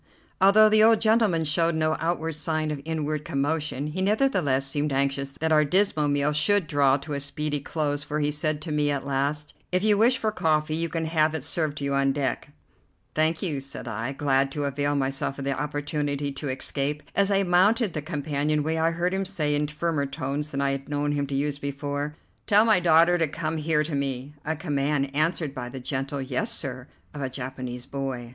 Although the old gentleman showed no outward sign of inward commotion, he nevertheless seemed anxious that our dismal meal should draw to a speedy close, for he said to me at last: "If you wish for coffee, you can have it served to you on deck." "Thank you," said I, glad to avail myself of the opportunity to escape. As I mounted the companion way I heard him say in firmer tones than I had known him to use before: "Tell my daughter to come here to me," a command answered by the gentle "Yes, sir," of the Japanese boy.